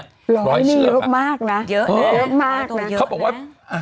เยอะมากนะ